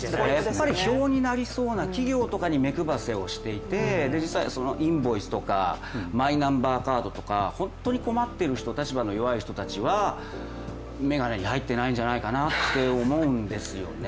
票になりそうな企業とかに目配せしていて、インボイスとかマイナンバーカードとか、本当に困っている人、立場の弱い人たちは、メガネに入っていないんじゃないかと思うんですよね。